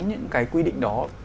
những cái quy định đó